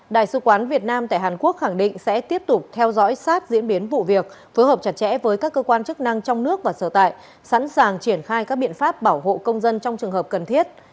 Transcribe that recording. đại sứ quán việt nam tại hàn quốc khẳng định sẽ tiếp tục theo dõi sát diễn biến vụ việc phối hợp chặt chẽ với các cơ quan chức năng trong nước và sở tại sẵn sàng triển khai các biện pháp bảo hộ công dân trong trường hợp cần thiết